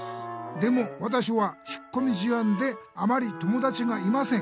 でもわたしは引っこみ思案であまり友だちがいません。